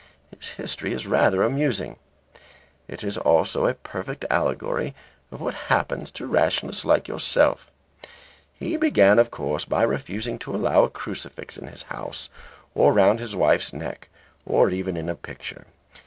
His history is rather amusing. It is also a perfect allegory of what happens to rationalists like yourself. He began, of course, by refusing to allow a crucifix in his house, or round his wife's neck, or even in a picture.